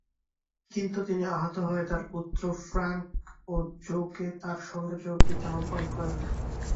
কিন্তু তিনি আহত হয়ে তাঁর পুত্র ফ্র্যাংক ও জো-কে তাঁর সঙ্গে যোগ দিতে আহ্বান করেন।